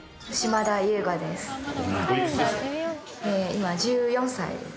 今１４歳です。